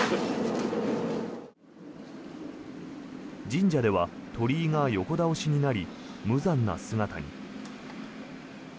神社では鳥居が横倒しになり無残な姿に。